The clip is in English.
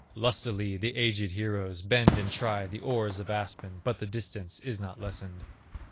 Lustily the aged heroes Bend and try the oars of aspen, But the distance is not lessened.